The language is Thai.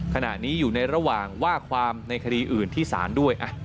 ขณะนี้อยู่ในระหว่างว่าความในคดีอื่นที่ศาลด้วย